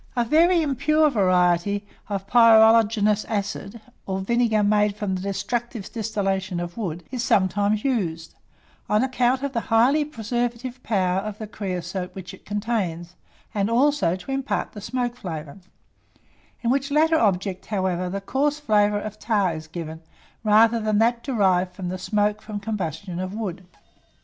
A very impure variety of pyroligneous acid, or vinegar made from the destructive distillation of wood, is sometimes used, on account of the highly preservative power of the creosote which it contains, and also to impart the smoke flavour; in which latter object, however, the coarse flavour of tar is given, rather than that derived from the smoke from combustion of wood.